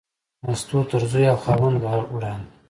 مستو تر زوی او خاوند لا وړاندې.